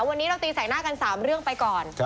วันนี้เราตีแสกหน้ากัน๓เรื่องไปก่อน